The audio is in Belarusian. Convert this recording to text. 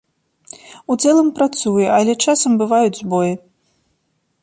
У цэлым працуе, але часам бываюць збоі.